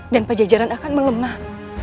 dan pajajaran akan melemah